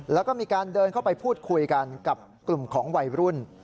แล้วก็มีการเดินเข้าไปพูดคุยกันกับกลุ่มของวัยรุ่น